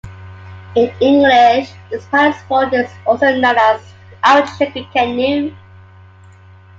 In English, this paddle sport is also known as outrigger canoe.